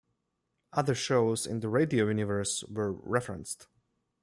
Other shows in the radio universe were referenced.